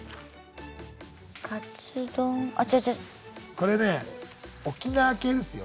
これね沖縄系ですよ。